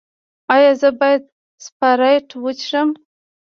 ایا زه باید سپرایټ وڅښم؟